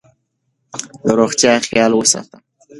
د روغتیا خیال وساته.